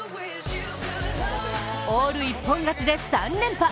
オール一本勝ちで３連覇！